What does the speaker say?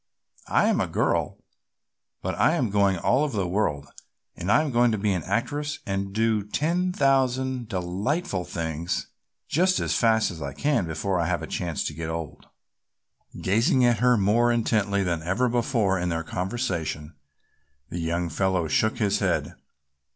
"I am a girl, but I am going all over the world and I am going to be an actress and do ten thousand delightful things just as fast as I can before I have a chance to get old." Gazing at her more intently than ever before in their conversation, the young fellow shook his head.